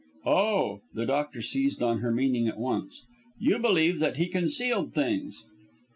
"Oh!" The doctor seized on her meaning at once. "You believe that he concealed things!"